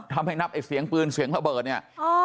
ทำให้นับไอ้เสียงปืนเสียงระเบิดเนี่ย